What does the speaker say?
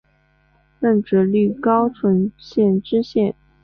任直隶高淳县知县。